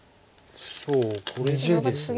そうこれでですね